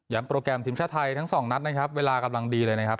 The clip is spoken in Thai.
โปรแกรมทีมชาติไทยทั้งสองนัดนะครับเวลากำลังดีเลยนะครับ